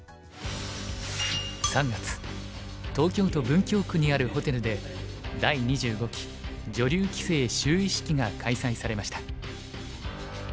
３月東京都文京区にあるホテルで第２５期女流棋聖就位式が開催されました。